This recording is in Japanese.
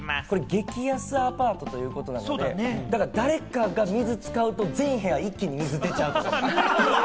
激安アパートということなんで、誰かが水使うと全部屋、一気に水出ちゃうとか。